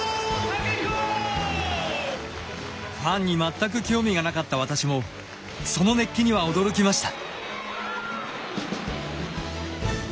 ファンに全く興味がなかった私もその熱気には驚きました。